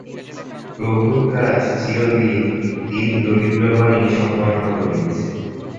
প্রভুর কাজ চিরদিন দীন-দরিদ্রগণই সম্পন্ন করিয়াছে।